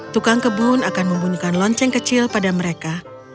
tukang kebun akan membunyikan lonceng kecil pada mereka